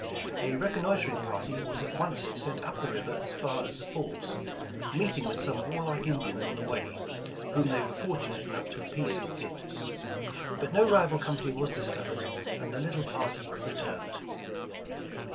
A reconnoitering party was at once sent up the river as far as the falls, meeting with some warlike Indians on the way, whom they were fortunate enough to appease with gifts; but no rival company was dis covered, and the little party returned.